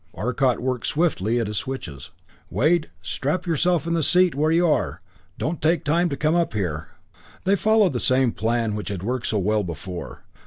Arcot worked swiftly at his switches. "Wade strap yourself in the seat where you are don't take time to come up here." They followed the same plan which had worked so well before.